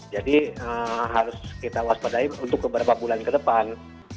jadi harus kita waspadai untuk beberapa bulan ke depan